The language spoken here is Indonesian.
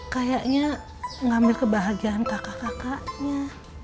kayaknya ngambil kebahagiaan kakak kakaknya